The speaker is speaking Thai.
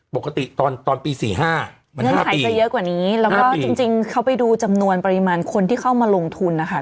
ปกติตอนปี๔๕เงื่อนไขจะเยอะกว่านี้แล้วก็จริงเขาไปดูจำนวนปริมาณคนที่เข้ามาลงทุนนะคะ